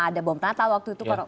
ada bom natal waktu itu